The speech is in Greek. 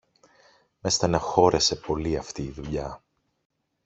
Με στενοχώρεσε πολύ αυτή η δουλειά